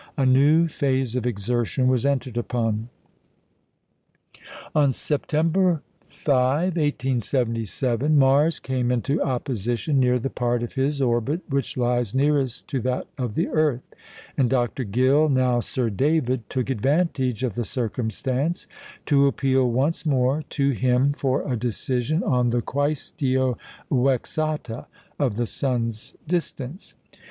A new phase of exertion was entered upon. On September 5, 1877, Mars came into opposition near the part of his orbit which lies nearest to that of the earth, and Dr. Gill (now Sir David) took advantage of the circumstance to appeal once more to him for a decision on the quæstio vexata of the sun's distance.